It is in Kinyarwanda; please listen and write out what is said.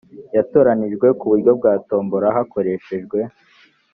yatoranijwe ku buryo bwa tombola hakorershejwe